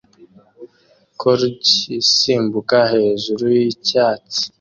Corgi isimbuka hejuru yicyatsi